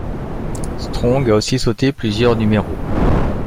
Strong a aussi sauté plusieurs numéros.